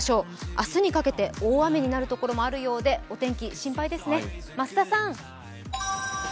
明日にかけて大雨になるところもあるみたいで、お天気心配ですね、増田さん。